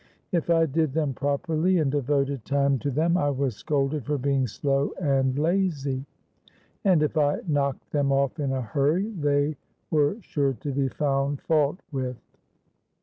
If I did them properly and devoted time to them, I was scolded for being slow and lazy: and if I knocked them off in a hurry, they were sure to be found fault with.